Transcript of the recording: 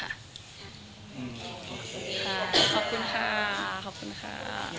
ค่ะขอบคุณค่าขอบคุณค่า